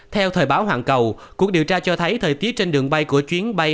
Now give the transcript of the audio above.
theo thời báo hoàng cầu cuộc điều tra cho thấy thời tiết trên đường bay của chuyến bay